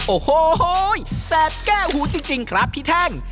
โอ้โหแสบแก้หูจริงครับพี่แท่ง